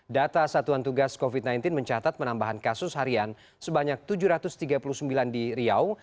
data satuan tugas covid sembilan belas mencatat penambahan kasus harian sebanyak tujuh ratus tiga puluh sembilan di riau